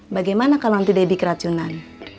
bagaimana kalau nanti debi keracunan